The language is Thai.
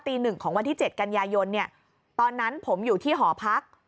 ๑ของวันที่๗กันยายนเนี่ยตอนนั้นผมอยู่ที่หอพัก